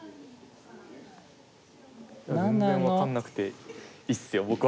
全然分かんなくていいっすよ。